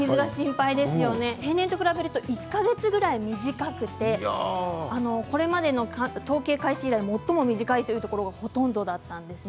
平年と比べると１か月ぐらい短くてこれまでの統計開始以来最も短いというところがほとんどだったんです。